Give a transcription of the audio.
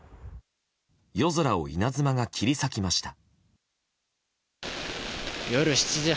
夜空を稲妻が切り裂きました。